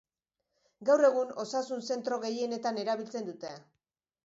Gaur egun osasun zentro gehienetan erabiltzen dute.